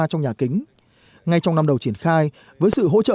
trong nhà kính ngay trong năm đầu triển khai với sự hỗ trợ